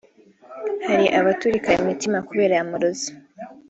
hari abaturika imitima kubera amarozi